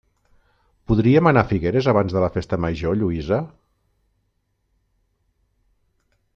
Podríem anar a Figueres abans de la festa major, Lluïsa?